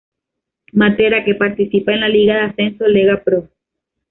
Matera que participa en la liga de ascenso Lega Pro.